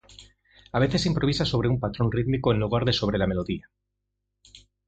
A veces improvisa sobre un patrón rítmico en lugar de sobre la melodía".